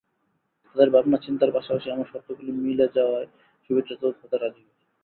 তাদের ভাবনা চিন্তার পাশাপাশি আমার শর্তগুলো মিলে যাওয়ায় শুভেচ্ছাদূত হতে রাজি হই।